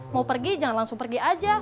mau pergi jangan langsung pergi aja